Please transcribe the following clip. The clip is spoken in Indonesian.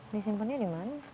disimpannya di mana